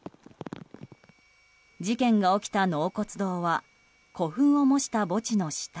事件が起きた納骨堂は古墳を模した墓地の下。